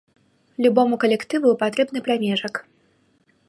Любому калектыву патрэбны прамежак.